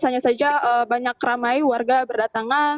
hanya saja banyak ramai warga berdatangan